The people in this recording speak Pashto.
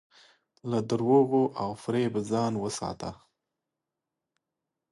له دروغو او فریب ځان وساته.